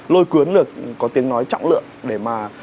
lôi cuốn được có tiếng nói trọng lượng để mà